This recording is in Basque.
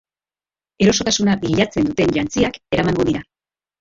Erosotasuna bilatzen duten jantziak eramango dira.